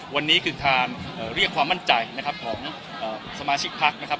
วันนี้คือการเรียกความมั่นใจนะครับของสมาชิกพักนะครับ